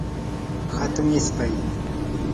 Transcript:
hatun ispay